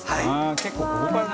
「結構豪快だな」